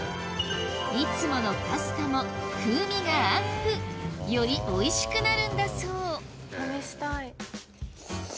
いつものパスタも風味がアップよりおいしくなるんだそう試したい。